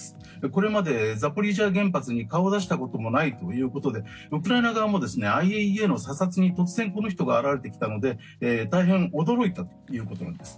これまでザポリージャ原発に顔を出したこともないということでウクライナ側もＩＡＥＡの査察に突然この人が現れてきたので大変驚いたということなんです。